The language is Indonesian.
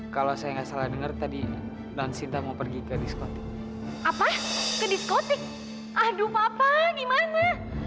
kalau saya nggak salah dengar tadi bang sinta mau pergi ke diskotik apa ke diskotik aduh papa gimana